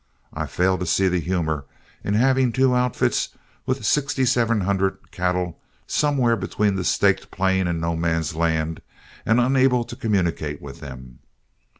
I fail to see the humor in having two outfits with sixty seven hundred cattle somewhere between the Staked Plain and No Man's Land, and unable to communicate with them.